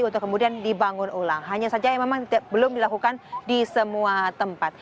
untuk kemudian dibangun ulang hanya saja yang memang belum dilakukan di semua tempat